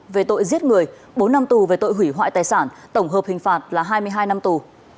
về tội giết người bốn năm tù về tội hủy hoại tài sản tổng hợp hình phạt là hai mươi hai năm tù